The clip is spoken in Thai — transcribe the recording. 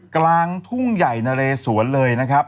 กลางทุ่งใหญ่นะเรสวนเลยนะครับ